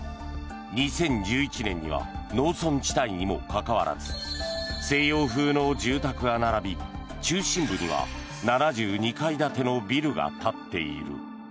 ２０１１年には農村地帯にもかかわらず西洋風の住宅が並び中心部には７２階建てのビルが立っている。